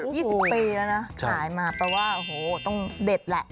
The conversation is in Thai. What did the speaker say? ๒๐ปีแล้วนะขายมาแปลว่าโอ้โหต้องเด็ดแหละ